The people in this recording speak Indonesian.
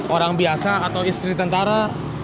orang biasa atau istri tentara